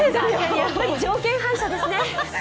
やっぱり条件反射ですね。